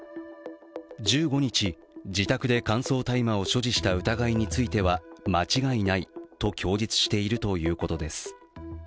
１５日、自宅で乾燥大麻を所持した疑いについては間違いないと供述しているということです。